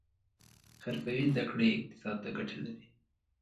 حرفوي زده کړې اقتصاد ته ګټه لري